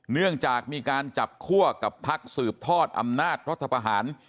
เนื่องจากมีการจับคั่วกับพักสืบทอดอำนาจรัฐประหาร